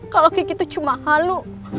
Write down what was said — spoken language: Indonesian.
kalau kiki tuh cuma halu